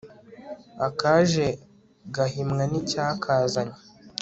akaje gahimwa n'icyakazanye